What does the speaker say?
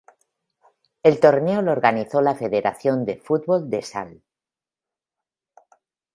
El torneo lo organizó la federación de fútbol de Sal.